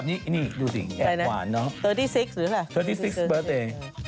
นี่นี่ดูสิแอบหวานเนอะ